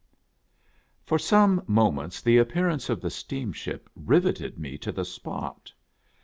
^OR some moments the appearance of the steamship rivet ed me to the spot.